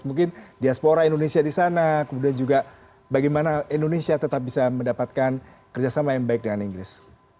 mungkin diaspora indonesia di sana kemudian juga bagaimana indonesia tetap bisa mendapatkan kerjasama yang baik dengan inggris